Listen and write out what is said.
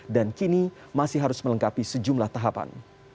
dan kini masih harus melengkapi sejumlah tahapan